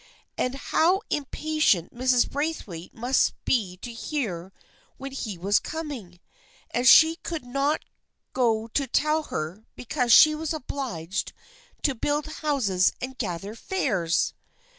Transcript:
And how im patient Mrs. Braithwaite must be to hear when he was coming, and she could not go to tell her be cause she was obliged to build houses and gather fares